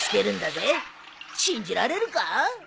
信じられるか？